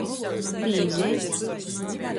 Pīzeit.